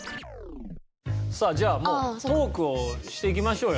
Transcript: さあじゃあもうトークをしていきましょうよ